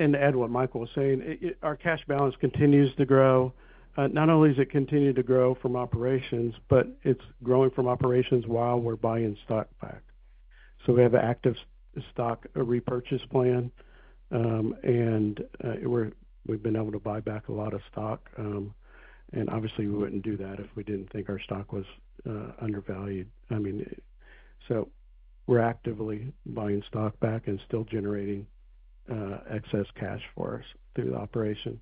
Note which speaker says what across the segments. Speaker 1: And to add what Michael was saying, our cash balance continues to grow. Not only does it continue to grow from operations, but it's growing from operations while we're buying stock back. So we have an active stock repurchase plan, and we've been able to buy back a lot of stock. And obviously, we wouldn't do that if we didn't think our stock was undervalued. I mean, so we're actively buying stock back and still generating excess cash for us through the operation.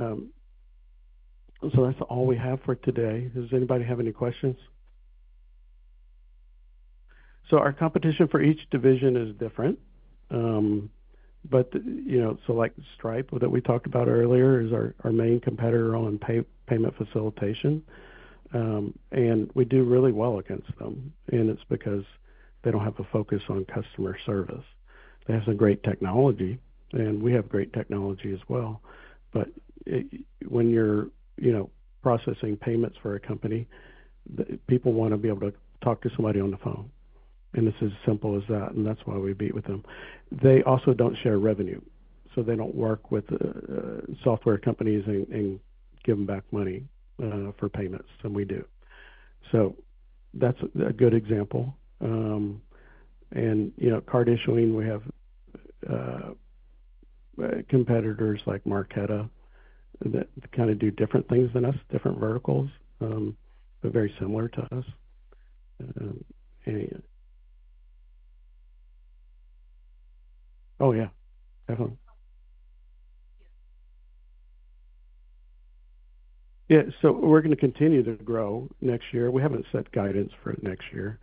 Speaker 1: So that's all we have for today. Does anybody have any questions? So our competition for each division is different. But, you know, so like Stripe that we talked about earlier, is our main competitor on payment facilitation. And we do really well against them, and it's because they don't have a focus on customer service. They have some great technology, and we have great technology as well. But when you're, you know, processing payments for a company, the people want to be able to talk to somebody on the phone, and it's as simple as that, and that's why we beat them. They also don't share revenue, so they don't work with software companies and give them back money for payments, and we do. So that's a good example. And, you know, card issuing, we have competitors like Marqeta that kind of do different things than us, different verticals, but very similar to us. Oh, yeah. Definitely. Yeah, so we're going to continue to grow next year. We haven't set guidance for next year,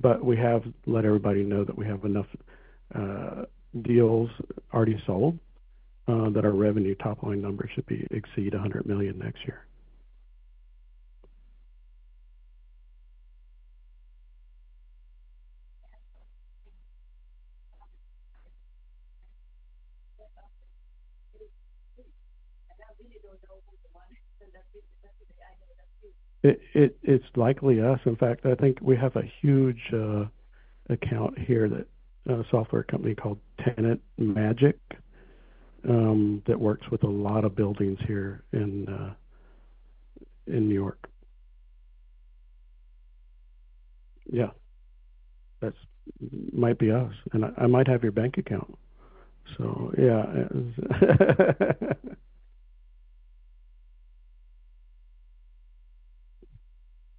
Speaker 1: but we have let everybody know that we have enough deals already sold that our revenue top line number should exceed $100 million next year. It's likely us. In fact, I think we have a huge account here that a software company called TenantMagic that works with a lot of buildings here in New York. Yeah, that might be us, and I might have your bank account. So, yeah.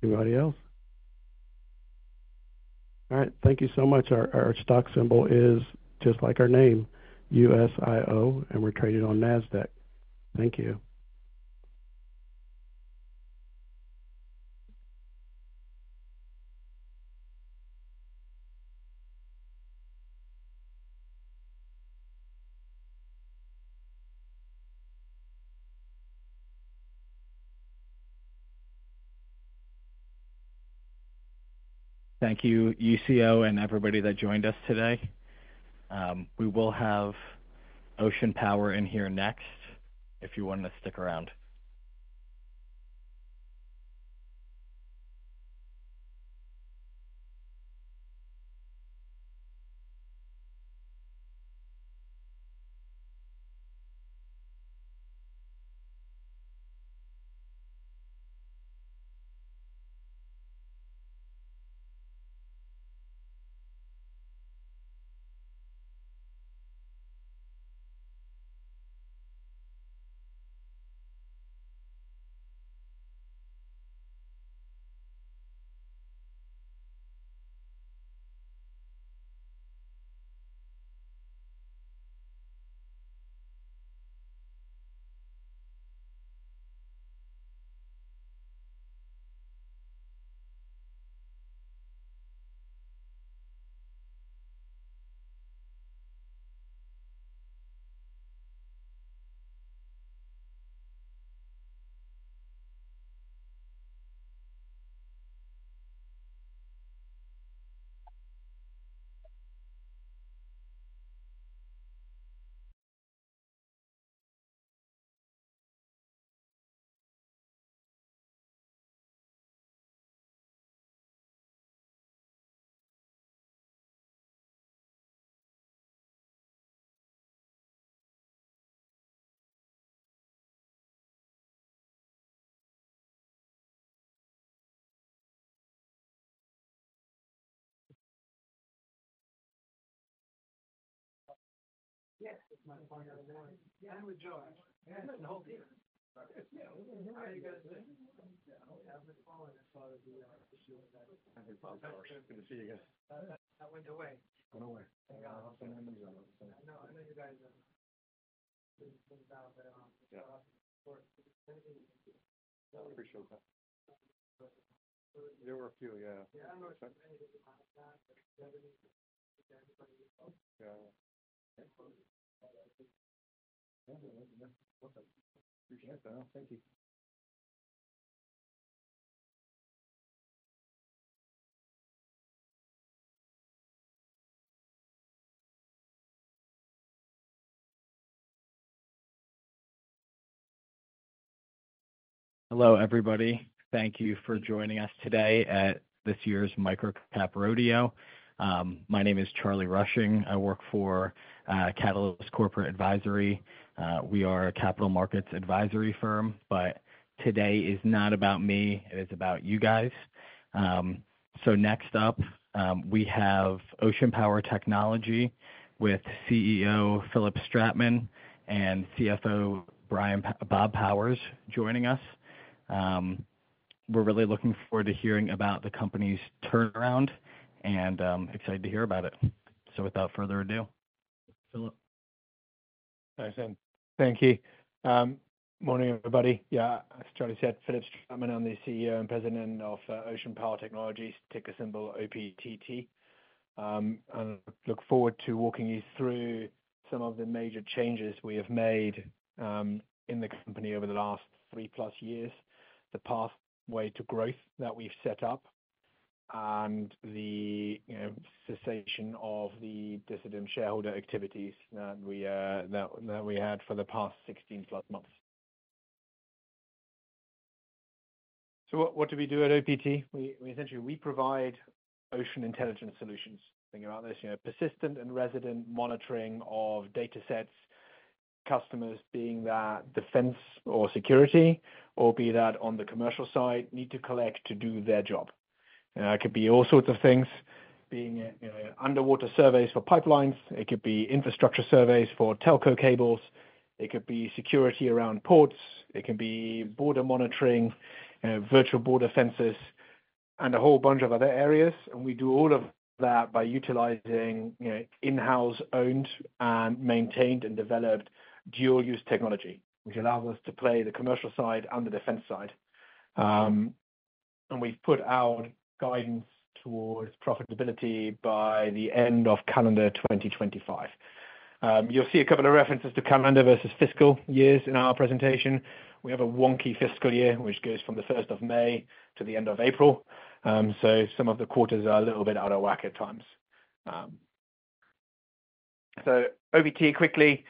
Speaker 1: Anybody else? All right. Thank you so much. Our stock symbol is just like our name, USIO, and we're traded on Nasdaq. Thank you.
Speaker 2: Thank you, Usio, and everybody that joined us today. We will have Ocean Power in here next, if you want to stick around. Hello, everybody. Thank you for joining us today at this year's MicroCap Rodeo. My name is Charlie Rushing. I work for Catalyst Corporate Advisory. We are a capital markets advisory firm, but today is not about me, it is about you guys. So next up, we have Ocean Power Technologies, with CEO Philipp Stratmann and CFO Bob Powers joining us. We're really looking forward to hearing about the company's turnaround, and I'm excited to hear about it. So without further ado, Philipp?
Speaker 3: Thanks, man. Thank you. Morning, everybody. Yeah, as Charlie said, Philipp Stratmann, I'm the CEO and President of Ocean Power Technologies, ticker symbol OPTT. And I look forward to walking you through some of the major changes we have made in the company over the last three-plus years, the pathway to growth that we've set up, and the, you know, cessation of the dissident shareholder activities that we had for the past sixteen-plus months. So what do we do at OPT? We essentially provide ocean intelligence solutions. Think about this, you know, persistent and resident monitoring of data sets, customers being that defense or security, or be that on the commercial side, need to collect to do their job. It could be all sorts of things being, you know, underwater surveys for pipelines. It could be infrastructure surveys for telco cables. It could be security around ports. It can be border monitoring, virtual border fences, and a whole bunch of other areas. And we do all of that by utilizing, you know, in-house owned and maintained, and developed dual-use technology, which allows us to play the commercial side and the defense side. And we've put our guidance towards profitability by the end of calendar 2025. You'll see a couple of references to calendar versus fiscal years in our presentation. We have a wonky fiscal year, which goes from the first of May to the end of April. So some of the quarters are a little bit out of whack at times. So OPT, quickly,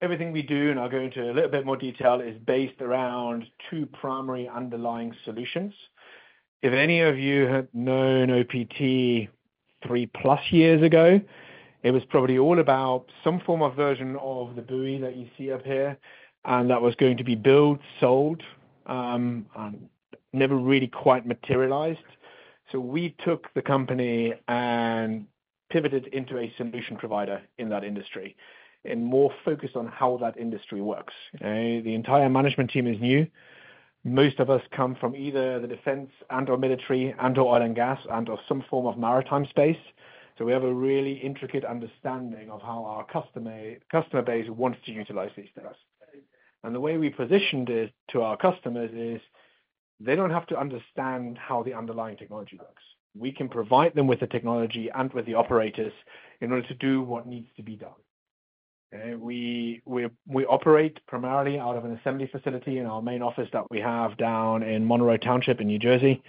Speaker 3: everything we do, and I'll go into a little bit more detail, is based around two primary underlying solutions. If any of you had known OPT 3+ years ago, it was probably all about some form of version of the buoy that you see up here, and that was going to be built, sold, and never really quite materialized. So we took the company and pivoted into a solution provider in that industry, and more focused on how that industry works. The entire management team is new. Most of us come from either the defense and/or military, and/or oil and gas, and/or some form of maritime space, so we have a really intricate understanding of how our customer base wants to utilize these things. The way we positioned it to our customers is, they don't have to understand how the underlying technology works. We can provide them with the technology and with the operators in order to do what needs to be done. We operate primarily out of an assembly facility in our main office that we have down in Monroe Township, in New Jersey.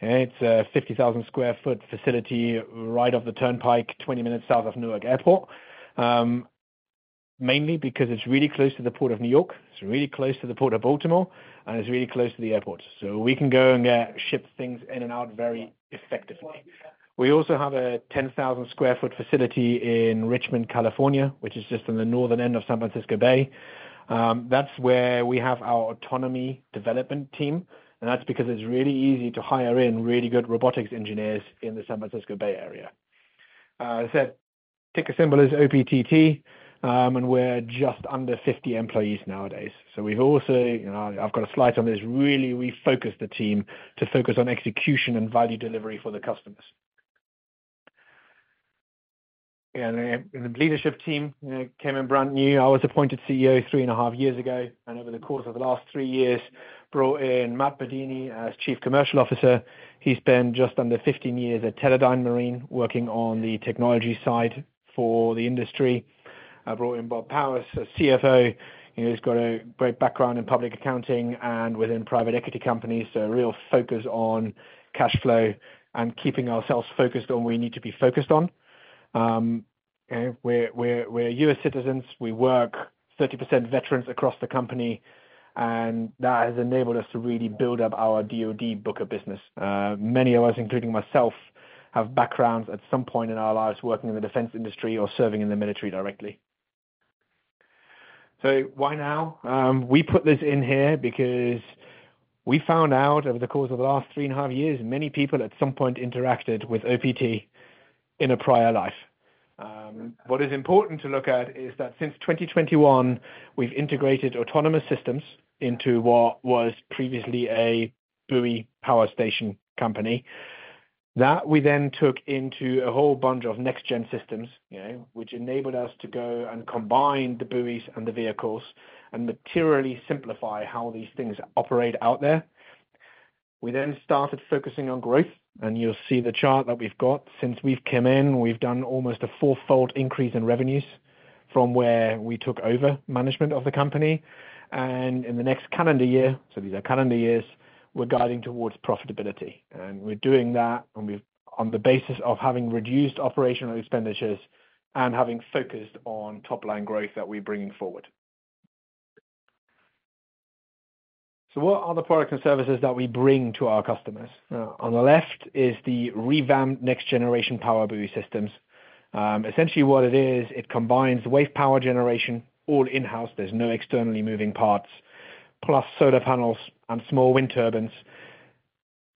Speaker 3: It's a 50,000 sq ft facility, right off the Turnpike, 20 minutes south of Newark Airport. Mainly because it's really close to the Port of New York, it's really close to the Port of Baltimore, and it's really close to the airport. We can go and ship things in and out very effectively. We also have a 10,000 sq ft facility in Richmond, California, which is just on the northern end of San Francisco Bay. That's where we have our autonomy development team, and that's because it's really easy to hire in really good robotics engineers in the San Francisco Bay area. So ticker symbol is OPTT, and we're just under 50 employees nowadays. So we've also. You know, I've got a slide on this. Really, we focused the team to focus on execution and value delivery for the customers. And the leadership team came in brand new. I was appointed CEO three and a half years ago, and over the course of the last three years, brought in Matt Burdyny as Chief Commercial Officer. He spent just under 15 years at Teledyne Marine, working on the technology side for the industry. I brought in Bob Powers as CFO. He's got a great background in public accounting and within private equity companies, so a real focus on cash flow and keeping ourselves focused on what we need to be focused on. And we're U.S. citizens. We work 30% veterans across the company, and that has enabled us to really build up our DoD book of business. Many of us, including myself, have backgrounds at some point in our lives, working in the defense industry or serving in the military directly. So why now? We put this in here because we found out over the course of the last three and a half years, many people at some point interacted with OPT in a prior life. What is important to look at is that since 2021, we've integrated autonomous systems into what was previously a buoy power station company. That, we then took into a whole bunch of next-gen systems, you know, which enabled us to go and combine the buoys and the vehicles, and materially simplify how these things operate out there. We then started focusing on growth, and you'll see the chart that we've got. Since we've come in, we've done almost a fourfold increase in revenues from where we took over management of the company. And in the next calendar year, so these are calendar years... we're guiding towards profitability, and we're doing that on the basis of having reduced operational expenditures and having focused on top line growth that we're bringing forward. So what are the products and services that we bring to our customers? On the left is the revamped next-generation PowerBuoy systems. Essentially what it is, it combines wave power generation all in-house. There's no externally moving parts, plus solar panels and small wind turbines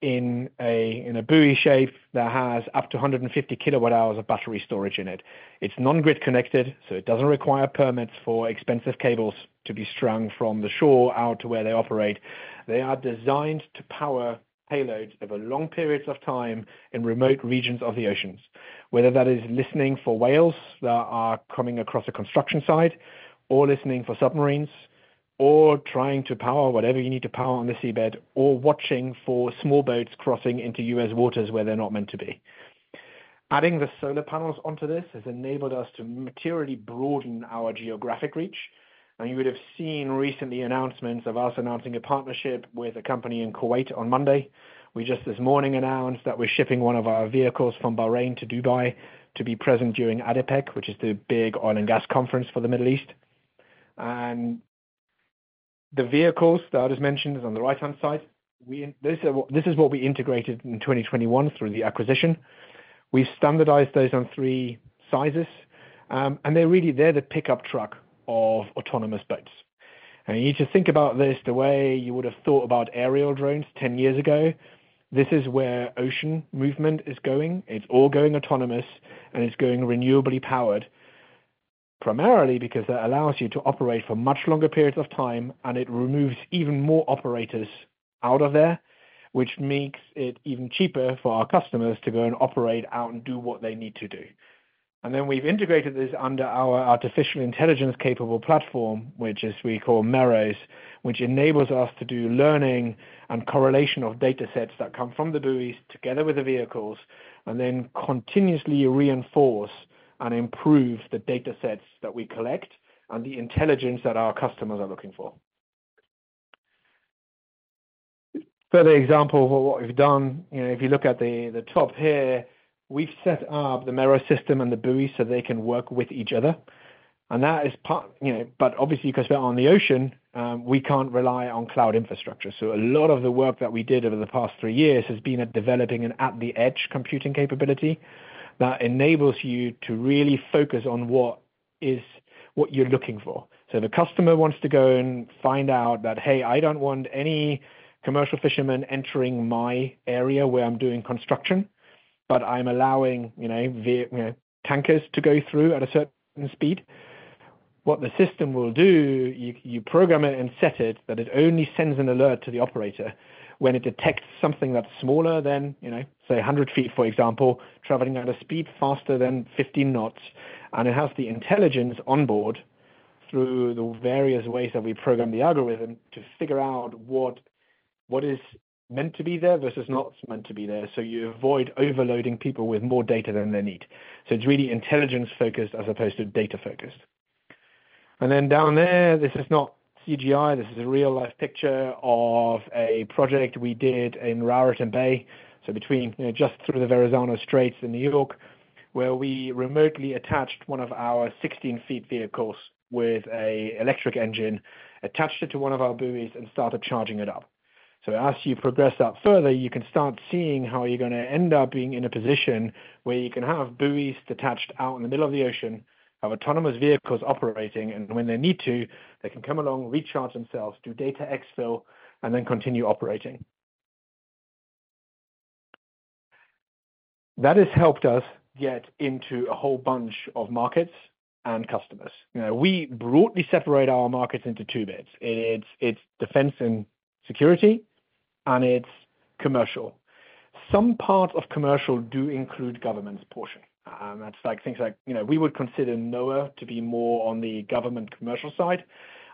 Speaker 3: in a buoy shape that has up to 150 kWh of battery storage in it. It's non-grid connected, so it doesn't require permits for expensive cables to be strung from the shore out to where they operate. They are designed to power payloads over long periods of time in remote regions of the oceans, whether that is listening for whales that are coming across a construction site, or listening for submarines, or trying to power whatever you need to power on the seabed, or watching for small boats crossing into U.S. waters where they're not meant to be. Adding the solar panels onto this has enabled us to materially broaden our geographic reach, and you would have seen recently announcements of us announcing a partnership with a company in Kuwait on Monday. We just this morning announced that we're shipping one of our vehicles from Bahrain to Dubai to be present during ADIPEC, which is the big oil and gas conference for the Middle East. The vehicles that I just mentioned are on the right-hand side. This is what we integrated in 2021 through the acquisition. We standardized those on three sizes, and they're really the pickup truck of autonomous boats. You need to think about this the way you would have thought about aerial drones ten years ago. This is where ocean movement is going. It's all going autonomous, and it's going renewably powered, primarily because that allows you to operate for much longer periods of time, and it removes even more operators out of there, which makes it even cheaper for our customers to go and operate out and do what they need to do. And then we've integrated this under our artificial intelligence capable platform, which is we call Meros, which enables us to do learning and correlation of data sets that come from the buoys together with the vehicles, and then continuously reinforce and improve the data sets that we collect and the intelligence that our customers are looking for. Further example of what we've done, you know, if you look at the top here, we've set up the Meros system and the buoys so they can work with each other. And that is part, you know. But obviously, because we're on the ocean, we can't rely on cloud infrastructure. So a lot of the work that we did over the past three years has been at developing an at-the-edge computing capability that enables you to really focus on what you're looking for. So the customer wants to go and find out that, "Hey, I don't want any commercial fishermen entering my area where I'm doing construction, but I'm allowing, you know, tankers to go through at a certain speed." What the system will do, you program it and set it, that it only sends an alert to the operator when it detects something that's smaller than, you know, say, 100 ft, for example, traveling at a speed faster than 15 knots. It has the intelligence on board through the various ways that we program the algorithm to figure out what is meant to be there versus not meant to be there. So you avoid overloading people with more data than they need. So it's really intelligence-focused as opposed to data-focused. And then down there, this is not CGI. This is a real-life picture of a project we did in Raritan Bay. So between, you know, just through the Verrazzano Straits in New York, where we remotely attached one of our 16 ft vehicles with an electric engine, attached it to one of our buoys, and started charging it up. So as you progress out further, you can start seeing how you're gonna end up being in a position where you can have buoys detached out in the middle of the ocean, have autonomous vehicles operating, and when they need to, they can come along, recharge themselves, do data exfil, and then continue operating. That has helped us get into a whole bunch of markets and customers. You know, we broadly separate our markets into two bits. It's defense and security, and it's commercial. Some parts of commercial do include government's portion. That's like things like, you know, we would consider NOAA to be more on the government commercial side,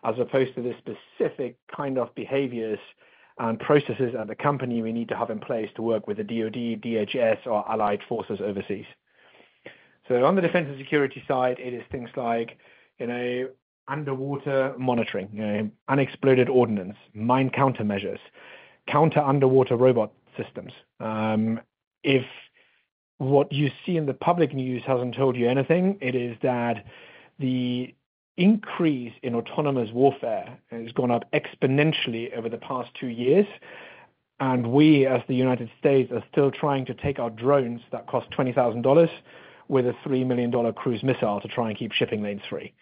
Speaker 3: as opposed to the specific kind of behaviors and processes as a company we need to have in place to work with the DoD, DHS or allied forces overseas. So on the defense and security side, it is things like, you know, underwater monitoring, unexploded ordnance, mine countermeasures, counter underwater robot systems. If what you see in the public news hasn't told you anything, it is that the increase in autonomous warfare has gone up exponentially over the past two years, and we, as the United States, are still trying to take out drones that cost $20,000 with a $3 million cruise missile to try and keep shipping lanes free.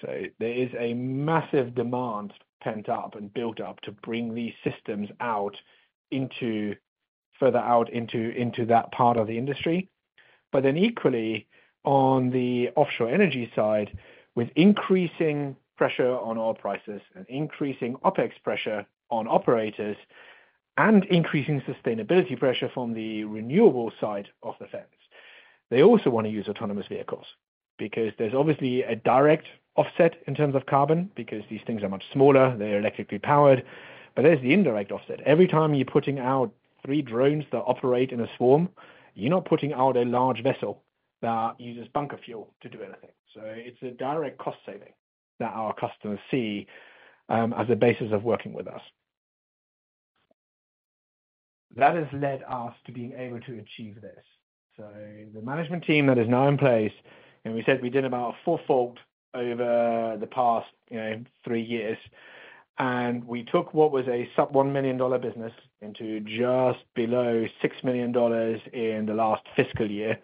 Speaker 3: So there is a massive demand pent up and built up to bring these systems out further out into that part of the industry. But then equally, on the offshore energy side, with increasing pressure on oil prices and increasing OpEx pressure on operators, and increasing sustainability pressure from the renewable side of the fence, they also wanna use autonomous vehicles because there's obviously a direct offset in terms of carbon, because these things are much smaller, they're electrically powered, but there's the indirect offset. Every time you're putting out three drones that operate in a swarm, you're not putting out a large vessel that uses bunker fuel to do anything. So it's a direct cost saving that our customers see as a basis of working with us. That has led us to being able to achieve this. So the management team that is now in place, and we said we did about a fourfold over the past, you know, three years, and we took what was a sub-$1 million business into just below $6 million in the last fiscal year.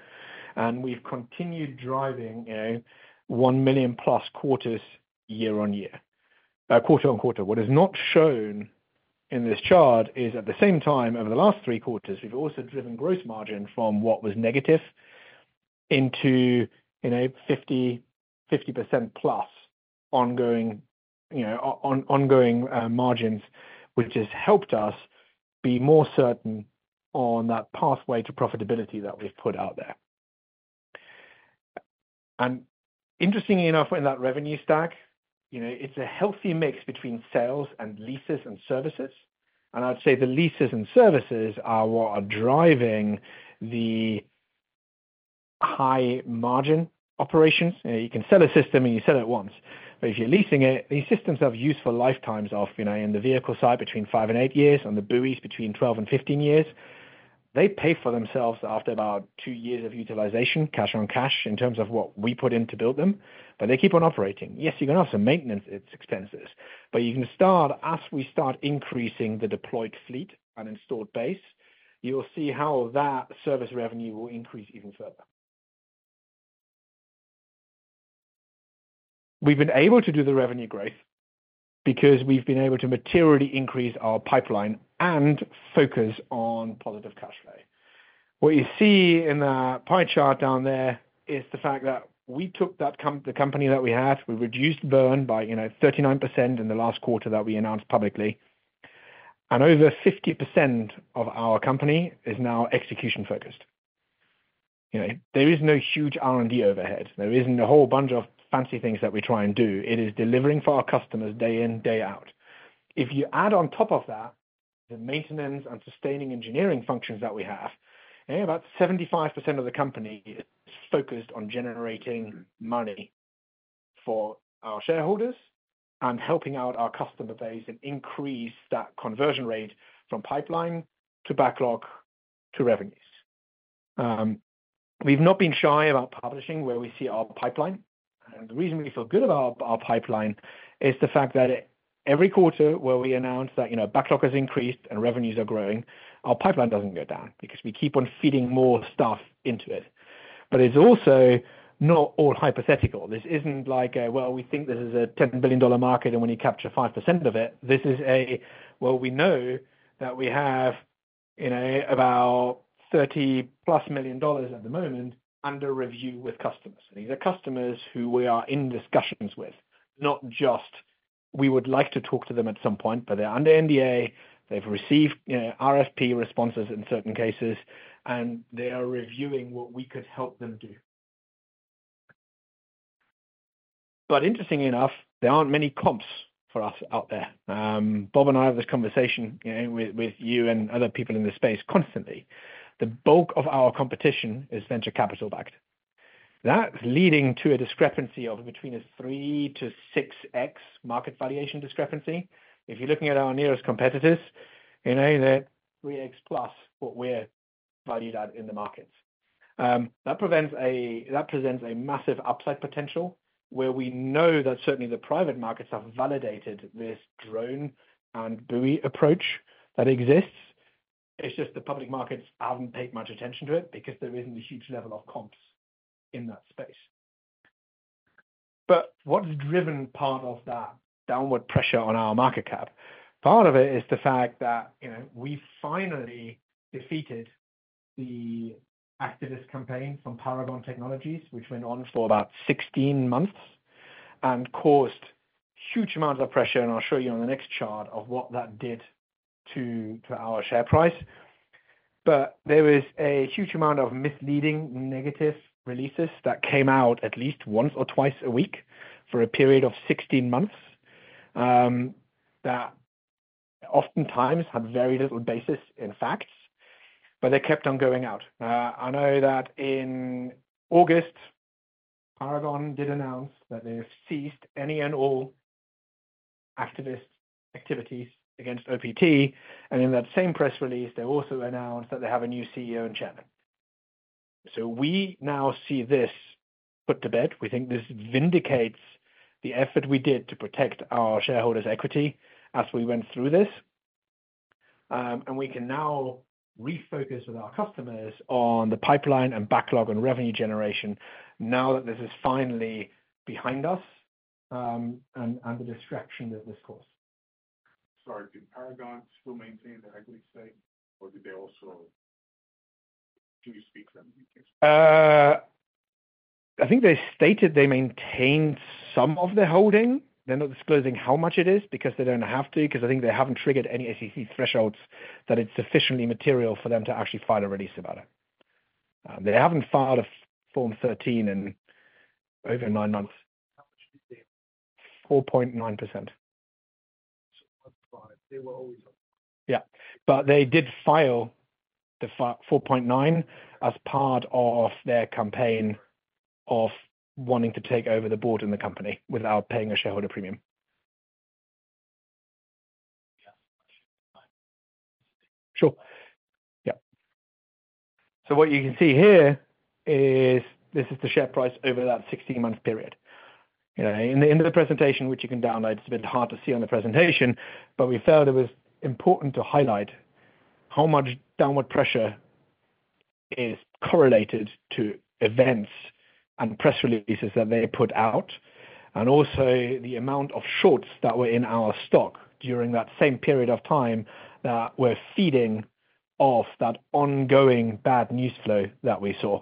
Speaker 3: And we've continued driving, you know, $1 million-plus quarters year on year, quarter on quarter. What is not shown in this chart is, at the same time, over the last three quarters, we've also driven gross margin from what was negative into, you know, 50% plus ongoing, you know, on ongoing margins, which has helped us be more certain on that pathway to profitability that we've put out there. And interestingly enough, in that revenue stack, you know, it's a healthy mix between sales and leases and services. I'd say the leases and services are what are driving the high margin operations. You can sell a system, and you sell it once, but if you're leasing it, these systems have useful lifetimes of, you know, in the vehicle side, between five and eight years, on the buoys, between 12 and 15 years. They pay for themselves after about two years of utilization, cash on cash, in terms of what we put in to build them, but they keep on operating. Yes, you can have some maintenance expenses, but you can start as we start increasing the deployed fleet and installed base, you'll see how that service revenue will increase even further. We've been able to do the revenue growth because we've been able to materially increase our pipeline and focus on positive cash flow. What you see in that pie chart down there is the fact that we took that the company that we had. We reduced burn by, you know, 39% in the last quarter that we announced publicly. Over 50% of our company is now execution-focused. You know, there is no huge R&D overhead. There isn't a whole bunch of fancy things that we try and do. It is delivering for our customers day in, day out. If you add on top of that, the maintenance and sustaining engineering functions that we have, about 75% of the company is focused on generating money for our shareholders and helping out our customer base and increase that conversion rate from pipeline to backlog to revenues. We've not been shy about publishing where we see our pipeline, and the reason we feel good about our pipeline is the fact that every quarter where we announce that, you know, backlog has increased and revenues are growing, our pipeline doesn't go down, because we keep on feeding more stuff into it. But it's also not all hypothetical. This isn't like a, "Well, we think this is a $10 billion market, and when you capture 5% of it," this is a, "Well, we know that we have, you know, about $30+ million at the moment under review with customers." These are customers who we are in discussions with, not just, we would like to talk to them at some point, but they're under NDA. They've received, you know, RFP responses in certain cases, and they are reviewing what we could help them do. But interestingly enough, there aren't many comps for us out there. Bob and I have this conversation, you know, with you and other people in this space constantly. The bulk of our competition is venture capital backed. That's leading to a discrepancy of between a 3x to 6x market valuation discrepancy. If you're looking at our nearest competitors, you know, they're 3x plus what we're valued at in the markets. That presents a massive upside potential, where we know that certainly the private markets have validated this drone and buoy approach that exists. It's just the public markets haven't paid much attention to it because there isn't a huge level of comps in that space. But what's driven part of that downward pressure on our market cap? Part of it is the fact that, you know, we finally defeated the activist campaign from Paragon Technologies, which went on for about 16 months and caused huge amounts of pressure, and I'll show you on the next chart of what that did to our share price, but there is a huge amount of misleading negative releases that came out at least once or twice a week for a period of 16 months, that oftentimes had very little basis in facts, but they kept on going out. I know that in August, Paragon did announce that they have ceased any and all activist activities against OPT, and in that same press release, they also announced that they have a new CEO and Chairman, so we now see this put to bed. We think this vindicates the effort we did to protect our shareholders' equity as we went through this. And we can now refocus with our customers on the pipeline and backlog and revenue generation now that this is finally behind us, and the distraction that this caused. Sorry, did Paragon still maintain their equity stake, or did they also? [inaudible] Can you speak to that? I think they stated they maintained some of the holding. They're not disclosing how much it is, because they don't have to, because I think they haven't triggered any SEC thresholds, that it's sufficiently material for them to actually file a release about it. They haven't filed a Form 13 in over nine months. How much is it? 4.9%.
Speaker 2: They were always up.
Speaker 3: Yeah, but they did file the 4.9% as part of their campaign of wanting to take over the board in the company without paying a shareholder premium. Yeah, fine. Sure. Yeah. So what you can see here is, this is the share price over that 16 month period. You know, in the presentation, which you can download, it's a bit hard to see on the presentation, but we felt it was important to highlight how much downward pressure is correlated to events and press releases that they put out, and also the amount of shorts that were in our stock during that same period of time, that were feeding off that ongoing bad news flow that we saw.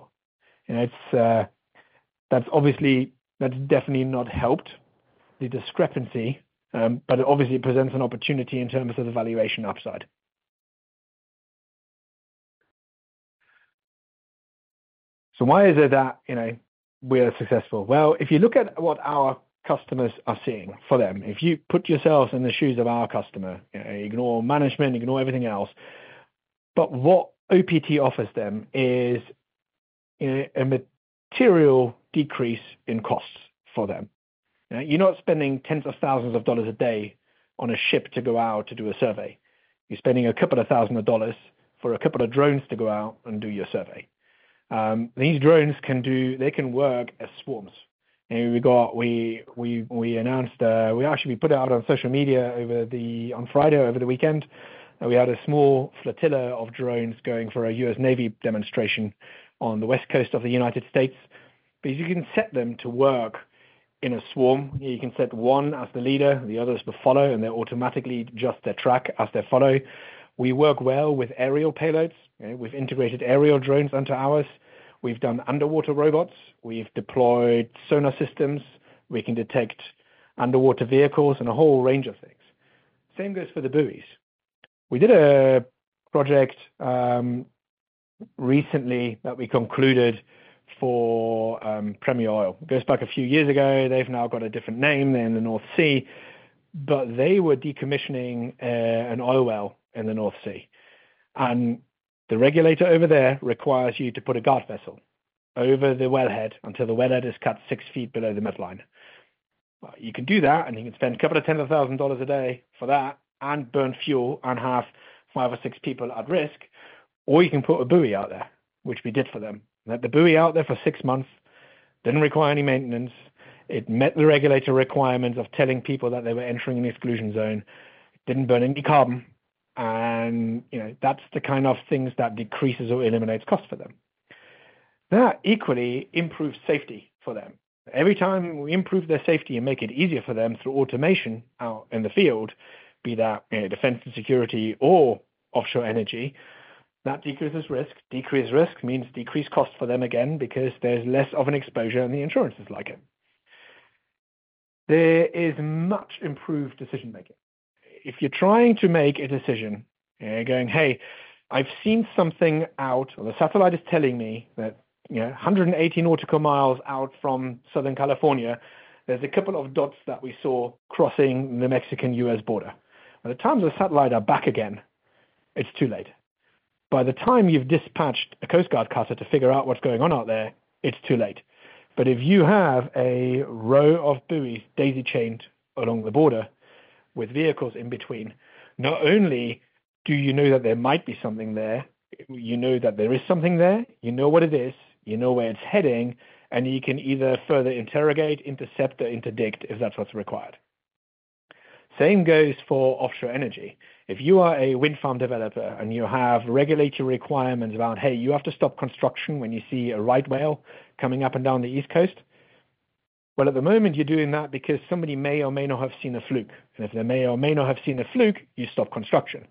Speaker 3: And that's obviously, that's definitely not helped the discrepancy, but it obviously presents an opportunity in terms of the valuation upside. So why is it that, you know, we are successful? If you look at what our customers are seeing for them, if you put yourself in the shoes of our customer, you know, ignore management, ignore everything else, but what OPT offers them is a material decrease in costs for them. Now, you're not spending tens of thousands of dollars a day on a ship to go out to do a survey. You're spending a couple thousand dollars for a couple of drones to go out and do your survey. These drones can. They can work as swarms. We announced, actually, we put it out on social media on Friday, over the weekend, and we had a small flotilla of drones going for a U.S. Navy demonstration on the West Coast of the United States. But you can set them to work in a swarm. You can set one as the leader, the others to follow, and they're automatically adjust their track as they follow. We work well with aerial payloads. We've integrated aerial drones onto ours. We've done underwater robots, we've deployed sonar systems. We can detect underwater vehicles and a whole range of things. Same goes for the buoys. We did a project, recently that we concluded for, Premier Oil. It goes back a few years ago, they've now got a different name in the North Sea, but they were decommissioning an oil well in the North Sea, and the regulator over there requires you to put a guard vessel over the wellhead until the wellhead is cut six feet below the midline. You can do that, and you can spend a couple of tens of thousands of dollars a day for that and burn fuel and have five or six people at risk, or you can put a buoy out there, which we did for them. We had the buoy out there for six months, didn't require any maintenance. It met the regulatory requirements of telling people that they were entering an exclusion zone, didn't burn any carbon, and, you know, that's the kind of things that decreases or eliminates costs for them. That equally improves safety for them. Every time we improve their safety and make it easier for them through automation out in the field, be that, you know, defense and security or offshore energy, that decreases risk. Decreased risk means decreased costs for them again, because there's less of an exposure, and the insurances like it. There is much improved decision-making. If you're trying to make a decision and you're going, "Hey, I've seen something out," or, "The satellite is telling me that, you know, 118 nautical miles out from Southern California, there's a couple of dots that we saw crossing the Mexican-U.S. border." By the time the satellite are back again, it's too late. By the time you've dispatched a Coast Guard cutter to figure out what's going on out there, it's too late. But if you have a row of buoys daisy-chained along the border with vehicles in between, not only do you know that there might be something there, you know that there is something there, you know what it is, you know where it's heading, and you can either further interrogate, intercept or interdict if that's what's required. Same goes for offshore energy. If you are a wind farm developer and you have regulatory requirements around, "Hey, you have to stop construction when you see a right whale coming up and down the East Coast," well, at the moment, you're doing that because somebody may or may not have seen a fluke, and if they may or may not have seen a fluke, you stop construction.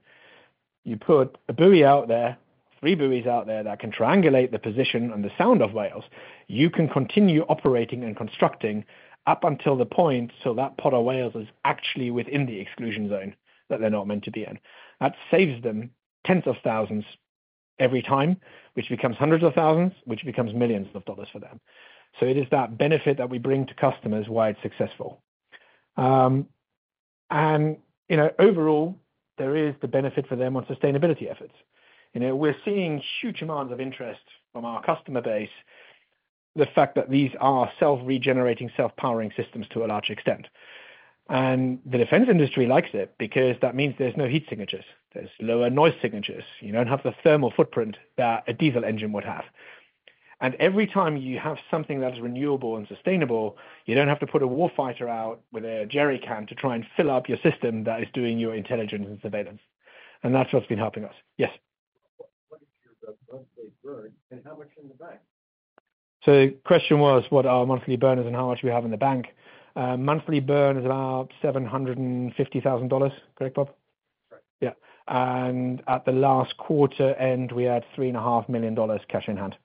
Speaker 3: You put a buoy out there, three buoys out there that can triangulate the position and the sound of whales, you can continue operating and constructing up until the point so that pod of whales is actually within the exclusion zone that they're not meant to be in. That saves them tens of thousands every time, which becomes hundreds of thousands, which becomes millions of dollars for them. It is that benefit that we bring to customers, why it's successful. And you know, overall, there is the benefit for them on sustainability efforts. You know, we're seeing huge amounts of interest from our customer base, the fact that these are self-regenerating, self-powering systems to a large extent. And the defense industry likes it because that means there's no heat signatures, there's lower noise signatures. You don't have the thermal footprint that a diesel engine would have. And every time you have something that is renewable and sustainable, you don't have to put a war fighter out with a jerrycan to try and fill up your system that is doing your intelligence and surveillance. And that's what's been helping us. Yes. What is your monthly burn and how much in the bank? So the question was, what our monthly burn is and how much we have in the bank. Monthly burn is about $750,000. Correct, Bob?
Speaker 4: Correct.
Speaker 3: Yeah, and at the last quarter end, we had $3.5 million cash in hand.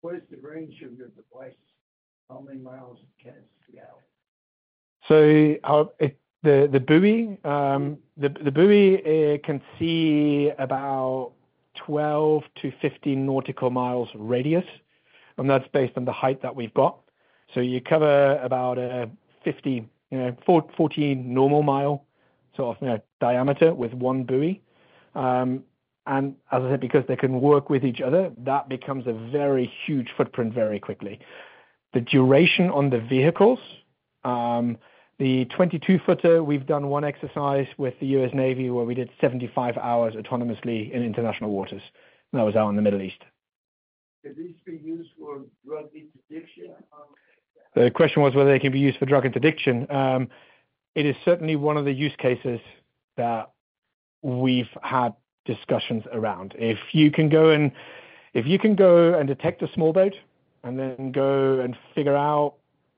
Speaker 3: What is the range of your device? How many miles it gets per hour? So the buoy it can see about 12 to 15 nautical miles radius, and that's based on the height that we've got. So you cover about 40 normal miles of diameter with one buoy. And as I said, because they can work with each other, that becomes a very huge footprint very quickly. The duration on the vehicles, the 22-footer, we've done one exercise with the U.S. Navy, where we did 75 hours autonomously in international waters. And that was out in the Middle East. Could these be used for drug interdiction? The question was whether they can be used for drug interdiction. It is certainly one of the use cases that we've had discussions around. If you can go and detect a small boat and then go and figure out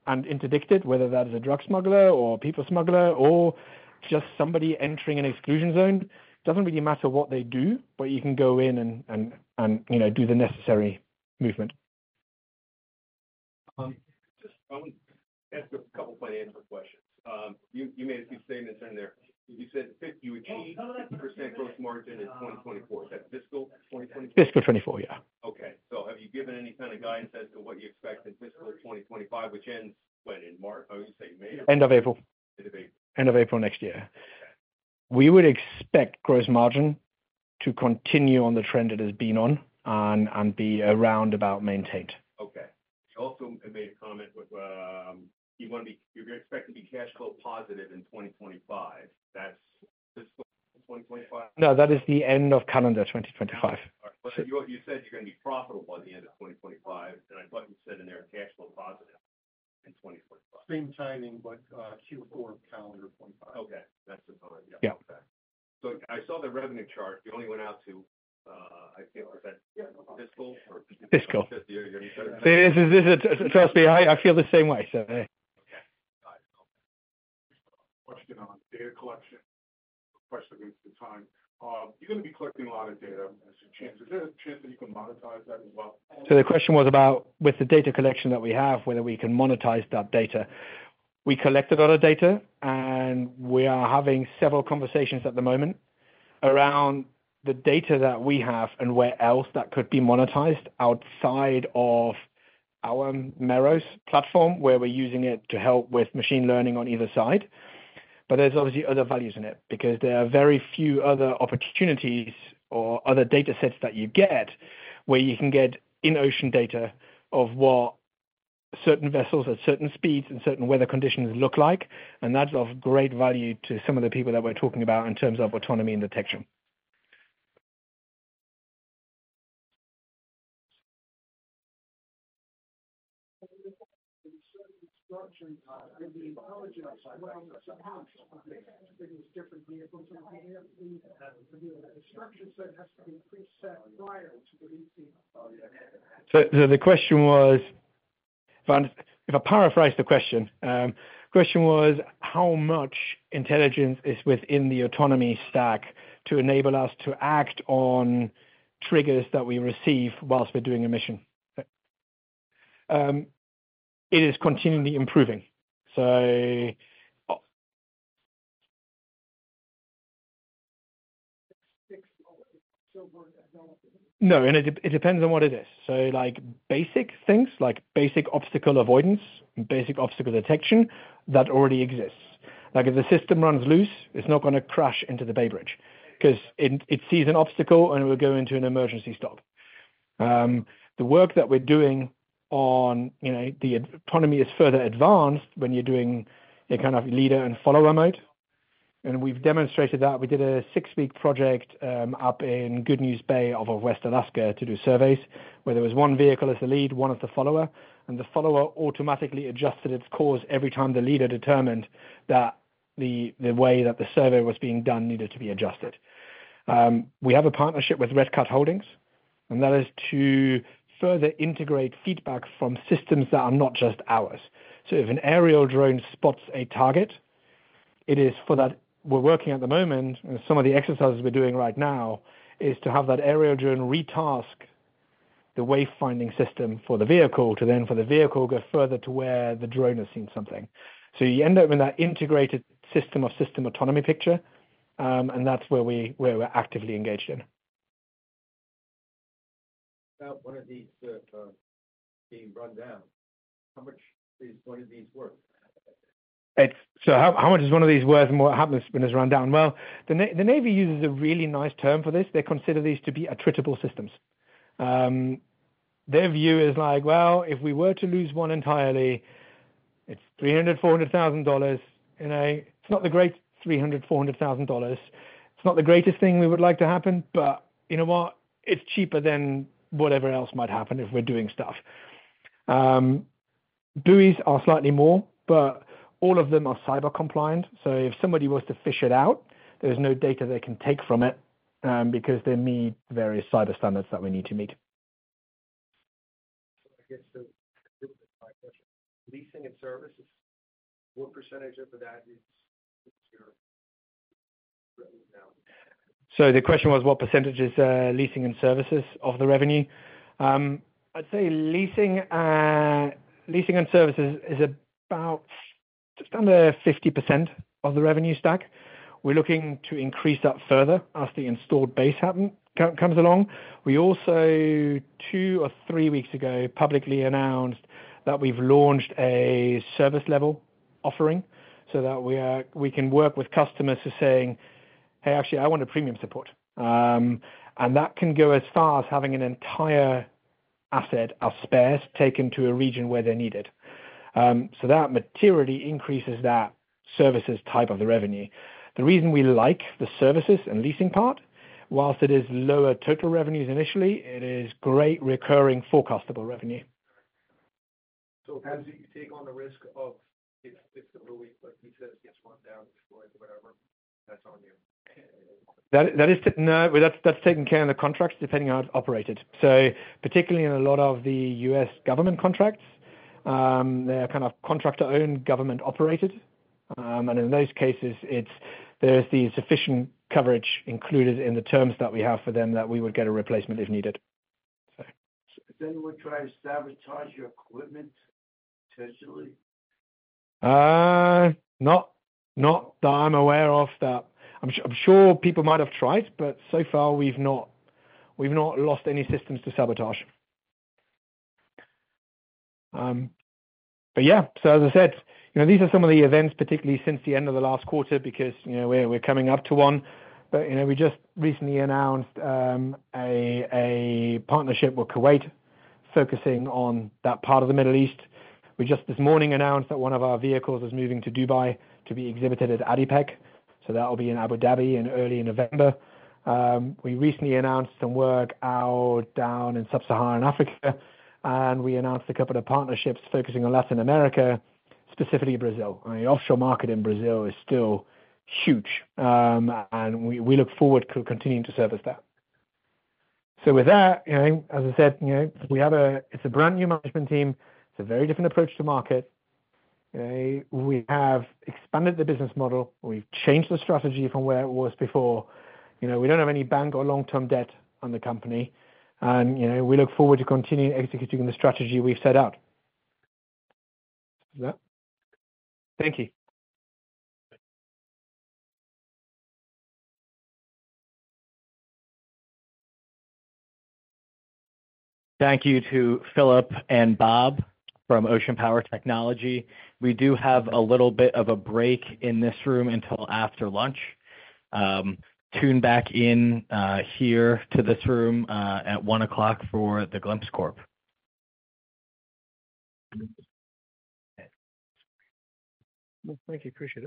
Speaker 3: and interdict it, whether that is a drug smuggler or a people smuggler or just somebody entering an exclusion zone, doesn't really matter what they do, but you can go in and, you know, do the necessary movement. I just want to ask a couple financial questions. You made a few statements in there. You said you achieved 50% gross margin in 2024. Is that fiscal 2024? Fiscal 2024, yeah. Okay. So have you given any kind of guidance as to what you expect in fiscal 2025, which ends when? In March. Oh, you say May? End of April. End of April. End of April next year. Okay. We would expect gross margin to continue on the trend it has been on and be around about maintained. Okay. Also, you made a comment with, you're expected to be cash flow positive in 2025. That's fiscal 2025? No, that is the end of calendar 2025. But you said you're gonna be profitable by the end of 2025, and I thought you said in there cash flow positive in 2025.
Speaker 4: Same timing, but Q4 calendar twenty-five. Okay, that's fine. Yeah.
Speaker 3: Yeah. Okay. So I saw the revenue chart. You only went out to, I think it was fiscal or- Fiscal. Yeah, yeah. This, trust me, I feel the same way, so. Okay, got it. Question on data collection. Question against the time. You're gonna be collecting a lot of data. There's a chance... Is there a chance that you can monetize that as well? So the question was about, with the data collection that we have, whether we can monetize that data. We collected all the data, and we are having several conversations at the moment around the data that we have and where else that could be monetized outside of our Meros platform, where we're using it to help with machine learning on either side. But there's obviously other values in it, because there are very few other opportunities or other data sets that you get, where you can get in-ocean data of what certain vessels at certain speeds and certain weather conditions look like. And that's of great value to some of the people that we're talking about in terms of autonomy and detection. So the question was. If I paraphrase the question, the question was, how much intelligence is within the autonomy stack to enable us to act on triggers that we receive whilst we're doing a mission? It is continually improving. So- [inaudible] No, it depends on what it is. So, like, basic things, like basic obstacle avoidance, basic obstacle detection, that already exists. Like, if the system runs loose, it's not gonna crash into the Bay Bridge, 'cause it sees an obstacle, and it will go into an emergency stop. The work that we're doing on, you know, the autonomy is further advanced when you're doing a kind of leader-and follower mode. And we've demonstrated that. We did a six-week project up in Goodnews Bay off of western Alaska to do surveys, where there was one vehicle as the lead, one as the follower, and the follower automatically adjusted its course every time the leader determined that the way that the survey was being done needed to be adjusted. We have a partnership with Red Cat Holdings, and that is to further integrate feedback from systems that are not just ours. So if an aerial drone spots a target, it is for that, we're working at the moment, and some of the exercises we're doing right now is to have that aerial drone re-task the wayfinding system for the vehicle, to then, for the vehicle, go further to where the drone has seen something. So you end up in that integrated system of system autonomy picture, and that's where we're actively engaged in. What about if one of these is being run down. How much is one of these worth? So how much is one of these worth and what happens when it's run down? Well, the Navy uses a really nice term for this. They consider these to be attritable systems. Their view is like, "Well, if we were to lose one entirely, it's $300,000-$400,000. You know, it's not the great $300,000-$400,000. It's not the greatest thing we would like to happen, but you know what? It's cheaper than whatever else might happen if we're doing stuff." Buoys are slightly more, but all of them are cyber compliant, so if somebody was to fish it out, there's no data they can take from it, because they meet various cyber standards that we need to meet. I guess that completes my question. Leasing and services, what percentage of that is your revenue now? So the question was, what percentage is leasing and services of the revenue? I'd say leasing and services is just under 50% of the revenue stack. We're looking to increase that further as the installed base comes along. We also, two or three weeks ago, publicly announced that we've launched a service level offering, so that we can work with customers who are saying, "Hey, actually, I want a premium support." And that can go as far as having an entire asset of spares taken to a region where they're needed. So that materially increases that services type of the revenue. The reason we like the services and leasing part, while it is lower total revenues initially, it is great recurring forecastable revenue. So, how do you take on the risk of if it's like he says, gets run down or whatever? [Inaudible} Well, that's taken care in the contracts, depending on how it's operated. So particularly in a lot of the U.S. government contracts, they're kind of contractor-owned, government-operated. And in those cases, it's. There's the sufficient coverage included in the terms that we have for them, that we would get a replacement if needed. Has anyone tried to sabotage your equipment, potentially? Not that I'm aware of that. I'm sure people might have tried, but so far we've not lost any systems to sabotage. But yeah, so as I said, you know, these are some of the events, particularly since the end of the last quarter, because, you know, we're coming up to one. But, you know, we just recently announced a partnership with Kuwait, focusing on that part of the Middle East. We just this morning announced that one of our vehicles was moving to Dubai to be exhibited at ADIPEC, so that will be in Abu Dhabi in early November. We recently announced some work down in sub-Saharan Africa, and we announced a couple of partnerships focusing on Latin America, specifically Brazil. I mean, the offshore market in Brazil is still huge, and we look forward to continuing to service that. So with that, you know, as I said, you know, It's a brand new management team. It's a very different approach to market. We have expanded the business model. We've changed the strategy from where it was before. You know, we don't have any bank or long-term debt on the company, and, you know, we look forward to continuing executing the strategy we've set out. With that, thank you.
Speaker 2: Thank you to Philipp and Bob from Ocean Power Technologies. We do have a little bit of a break in this room until after lunch. Tune back in here to this room at 1:00 P.M. for The Glimpse Group.
Speaker 3: Thank you. Appreciate it.